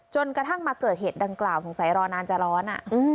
จนกระทั่งมาเกิดเหตุดังกล่าวสงสัยรอนานจะร้อน